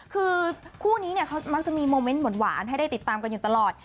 คือคู่นี้เนี่ยเขามักจะมีโมเมนต์หวานให้ได้ติดตามกันอยู่ตลอด